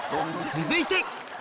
続いて！